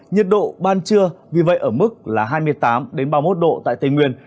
nhiệt độ ban trưa vì vậy ở mức là hai mươi tám ba mươi một độ tại tây nguyên